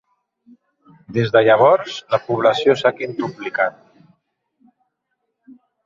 Des de llavors, la població s'ha quintuplicat.